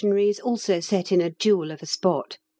is also set in a jewel of a spot.